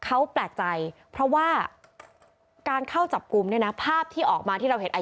เขาแปลกใจเพราะว่าการเข้าจับกลุ่มเนี่ยนะภาพที่ออกมาที่เราเห็นไอ